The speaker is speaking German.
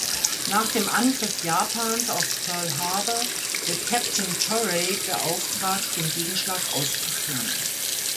Nach dem Angriff Japans auf Pearl Harbor wird Captain Torrey beauftragt, den Gegenschlag auszuführen.